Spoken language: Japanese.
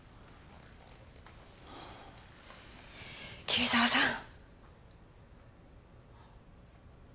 桐沢さん！